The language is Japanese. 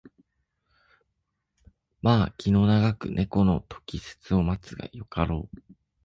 まあ気を永く猫の時節を待つがよかろう